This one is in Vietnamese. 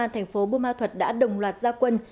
tp bumathuat đã đồng loạt gia quân